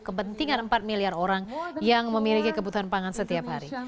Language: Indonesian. kepentingan empat miliar orang yang memiliki kebutuhan pangan setiap hari